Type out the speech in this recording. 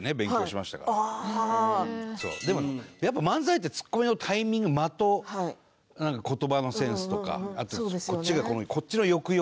でもやっぱ漫才ってツッコミのタイミング間と言葉のセンスとかあとこっちの抑揚だったりする。